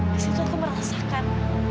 di situ aku merasakan